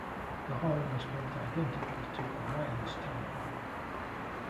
The hall was built identically to Orion's town hall.